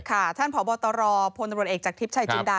ค่ะท่านผอบอตรพลตรเอกจากทริปชัยจินดา